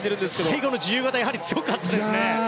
最後の自由形強かったですね。